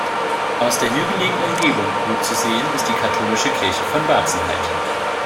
Aus der hügeligen Umgebung gut zu sehen ist die katholische Kirche von Bazenheid.